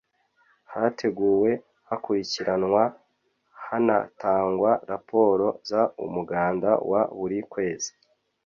hateguwe hakurikiranwa hanatangwa raporo z umuganda wa buri kwezi